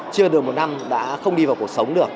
chưa được một năm đã không đi vào cuộc sống được